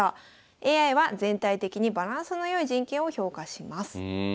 ＡＩは全体的にバランスの良い陣形を評価します。